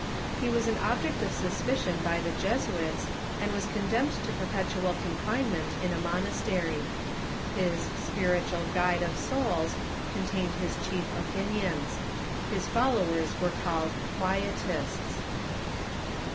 He was an object of suspicion by the Jesuits, and was condemned to perpetual confinement in a monastery. His "Spiritual Guide of Souls" contained his chief opinions. His followers were called Quietists.